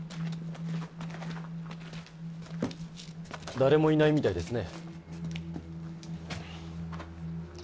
誰もいないみたいですね。